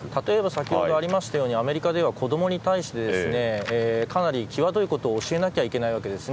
先ほどありましたようにアメリカでは子供に対してかなりきわどいことを教えなきゃいけないわけです。